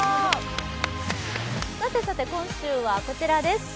今週はこちらです。